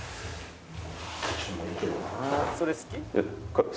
「それ好き？」。